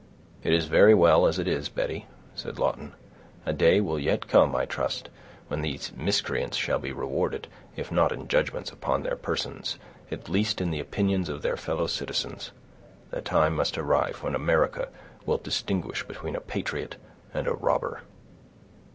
"It is very well as it is, Betty," said Lawton. "A day will yet come, I trust, when these miscreants shall be rewarded, if not in judgments upon their persons, at least in the opinions of their fellow citizens. The time must arrive when America will distinguish between a patriot and a robber."